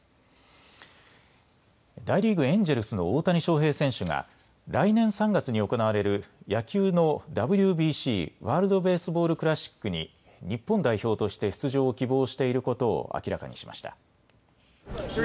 大リーグ、エンジェルスの大谷翔平選手が来年３月に行われる野球のＷＢＣ・ワールド・ベースボール・クラシックに日本代表として出場を希望していることを明らかにしました。